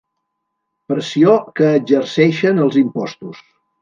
Pressió que exerceixen els impostos.